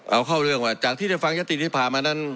เอาเข้าเรื่องมาจากที่จะฟังยศติทฤษภาพมานั้น